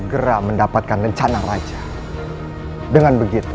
dan membebaskan putra kita walang sungsang dinda